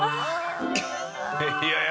いやいや。